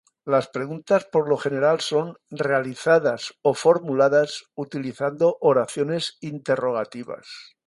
Las preguntas por lo general son "realizadas" o "formuladas" utilizando oraciones interrogativas.